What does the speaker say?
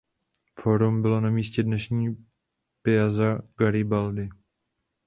Fórum bylo na místě dnešní "Piazza Garibaldi".